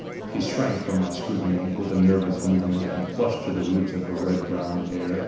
"She shrank from my scrutiny with a nervous move ment and flushed to the roots of her red brown hair.